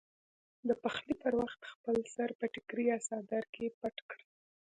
د پخلي پر وخت خپل سر په ټیکري یا څادر کې پټ کړئ.